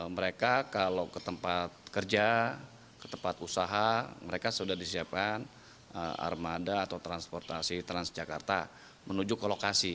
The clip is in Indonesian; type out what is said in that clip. mereka kalau ke tempat kerja ke tempat usaha mereka sudah disiapkan armada atau transportasi transjakarta menuju ke lokasi